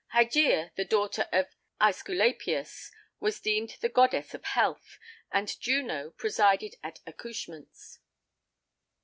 Hygeia, the daughter of Æsculapius, was deemed |13| the goddess of health, and Juno presided at accouchments.